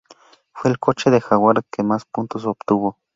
Fue el coche de Jaguar que más puntos obtuvo.